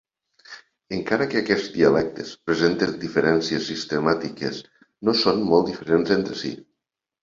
Encara que aquests dialectes presenten diferències sistemàtiques no són molt diferents entre si.